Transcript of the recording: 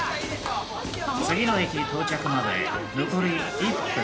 次の駅到着まで残り１分。